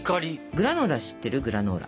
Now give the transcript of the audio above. グラノーラ知ってるグラノーラ？